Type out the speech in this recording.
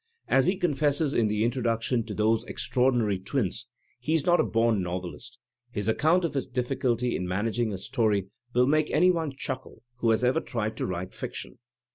As he confesses in the introduction to "Those Extraordinary Twins," he is not a bom novehst; his account of his diffi culty in managing a story will make any one chuckle who has ever tried to write fiction.